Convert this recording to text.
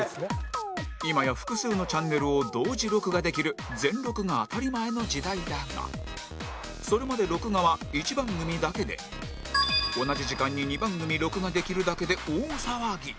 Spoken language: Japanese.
今や複数のチャンネルを同時録画できる全録が当たり前の時代だがそれまで録画は１番組だけで同じ時間に２番組録画できるだけで大騒ぎ